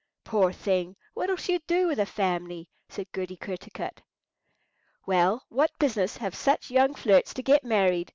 "Poor thing! what'll she do with a family?" said Goody Kertarkut. "Well, what business have such young flirts to get married?"